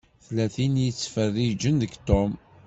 Tella tin i yettfeṛṛiǧen deg Tom.